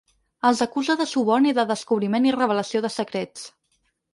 Els acusa de suborn i de descobriment i revelació de secrets.